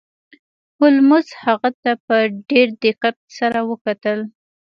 هولمز هغه ته په ډیر دقت سره وکتل.